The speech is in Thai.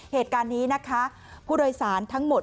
เหตุการณ์นี้นะคะผู้โดยสารทั้งหมด